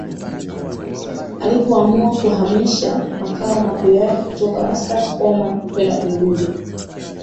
alipoamua kuhamisha makao makuu yake kutoka Maskat Omani kwenda Unguja